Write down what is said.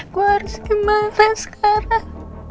gua harus gimana sekarang